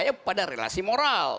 anda nggak percaya pada relasi moral